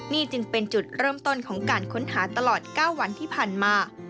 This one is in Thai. นี่จึงเป็นจุดเริ่มต้นของการค้นหาตลอด๙วันที่ผ่านมา